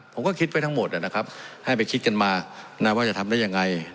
ผมก็คิดไว้ทั้งหมดนะครับให้ไปคิดกันมานะว่าจะทำได้ยังไง